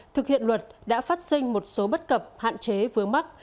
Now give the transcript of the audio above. thực hiện luật đã phát sinh một số bất cập hạn chế vướng mắc